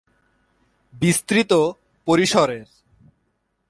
বিস্তৃত পরিসরের।